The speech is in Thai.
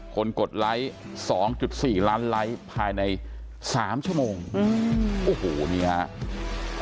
กดไลค์๒๔ล้านไลค์ภายใน๓ชั่วโมงโอ้โหนี่ครับ